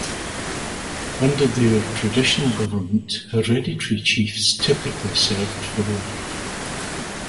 Under their traditional government, hereditary chiefs typically served for life.